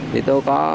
thì tôi có